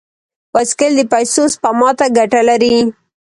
بایسکل د پیسو سپما ته ګټه لري.